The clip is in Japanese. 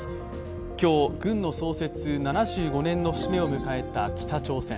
今日、軍の創設７５年の節目を迎えた北朝鮮。